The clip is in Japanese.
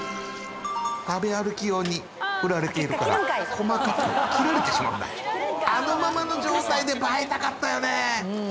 食べ歩き用に売られているから細かく切られてしまうんだあのままの状態で映えたかったよねー！